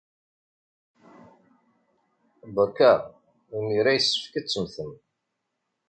Beṛka! Imir-a yessefk ad temmtem.